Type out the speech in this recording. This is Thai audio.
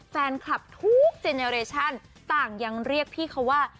แฟนคลับทุกเจเนอเรชั่นต่างยังเรียกพี่เขาว่า